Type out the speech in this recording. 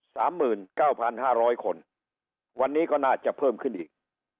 สามหมื่นเก้าพันห้าร้อยคนวันนี้ก็น่าจะเพิ่มขึ้นอีก